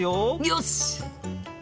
よし！